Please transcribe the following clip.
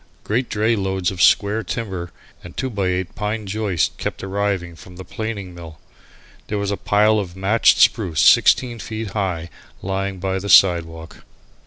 Great dray loads of square timber, and two by eight pine joists kept arriving from the planing mill. There was a pile of matched spruce sixteen feet high lying by the sidewalk.